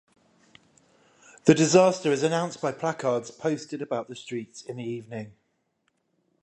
The disaster is announced by placards posted about the streets in the evening.